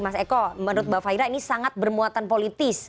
mas eko menurut mbak fahira ini sangat bermuatan politis